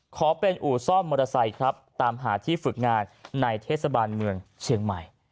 ขอเป็นอู่ซ่อมมอเตอร์ไซค์ครับตามหาที่ฝึกงานในเทศบาลเมืองเชียงใหม่